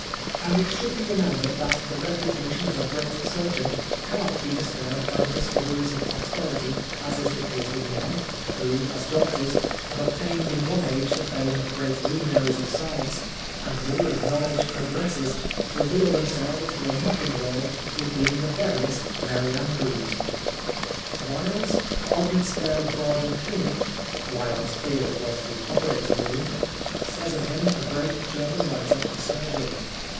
And it should be remembered that the reputation of a great surgeon cannot be disturbed by the discoveries of posterity as is the case with men, who as doctors, have ob tained in one age the fame of great luminaries 22 »*► V. SIR Wlll.IAM WII.liK, To face page 23. The Life of Oscar Wilde of science, and who, as knowledge progresses, reveal themselves to a mocking world to have been the veriest merry andrews. " Wilde's Arbeitsfeld war die Khnik " (Wilde's field was the operating room), says of him a great German writer on surgery.